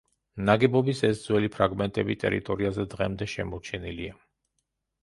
ნაგებობის ეს ძველი ფრაგმენტები ტერიტორიაზე დღემდე შემორჩენილია.